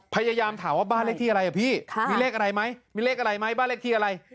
พยายามถามว่าบ้านเลขที่อะไรอ่ะพี่มีเลขอะไรไหมบ้านเลขที่อะไร